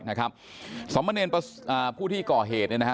นะครับสมเนรอ่าผู้ที่ก่อเหตุเนี่ยนะฮะ